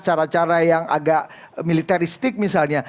cara cara yang agak militeristik misalnya